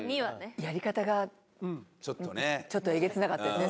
やり方がちょっとえげつなかったですね